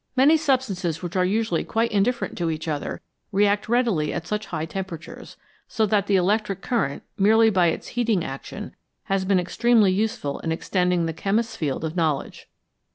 Many substances which are usually quite in different to each other, react readily at such high tempera tures, so that the electric current, merely by its heating action, has been extremely useful in extending the chemist's field of knowledge.